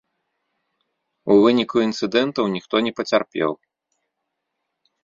У выніку інцыдэнтаў ніхто не пацярпеў.